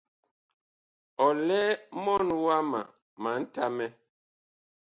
Ɔ lɛ mɔɔn wama ma ntamɛ.